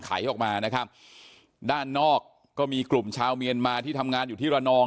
ไขออกมานะครับด้านนอกก็มีกลุ่มชาวเมียนมาที่ทำงานอยู่ที่ระนอง